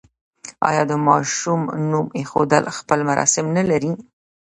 آیا د ماشوم نوم ایښودل خپل مراسم نلري؟